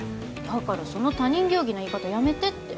だからその他人行儀な言い方やめてって